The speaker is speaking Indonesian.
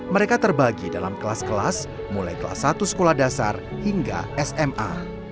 mereka terbagi dalam kelas kelas mulai kelas satu sekolah dasar hingga sma